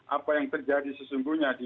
apa yang terjadi sesungguhnya di